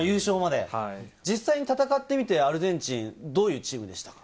実際に戦ってみて、アルゼンチン、どういうチームでしたか？